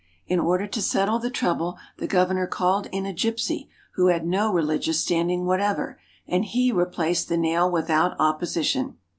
In order to settle the trouble the governor called in a gypsy, who had no religious standing whatever, and he replaced the nail without opposition.